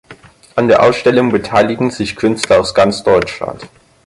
An der Ausstellung beteiligen sich Künstler aus ganz Deutschland.